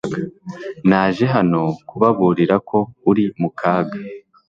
Naje hano kubaburira ko uri mu kaga